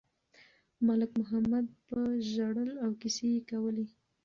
ملک محمد به ژړل او کیسې یې کولې.